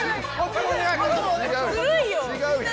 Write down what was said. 違うよ。